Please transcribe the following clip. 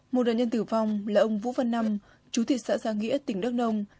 một đàn nhân tử vong là ông vũ văn năm